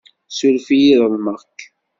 Suref-iyi ḍelmeɣ-k.